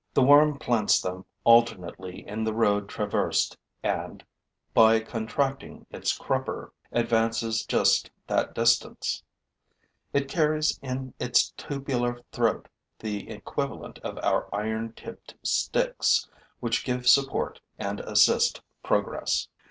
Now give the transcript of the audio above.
The worm plants them alternately in the road traversed and, by contracting its crupper, advances just that distance. It carries in its tubular throat the equivalent of our iron tipped sticks which give support and assist progress.